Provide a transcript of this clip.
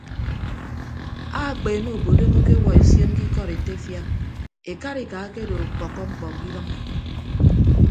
Akpeene obodom akewuọ esion ke ikọdetefia ekarika akedo ọkpọkkọ mkpọ ke idʌñ.